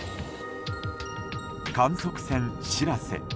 観測船「しらせ」。